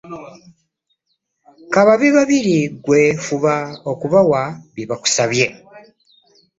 Ka babe babiri ggwe fuba kubawa bye bakusabye.